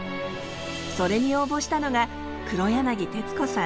それに応募したのが黒柳徹子さん。